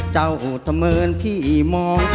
เจ้าทะเมินที่มอง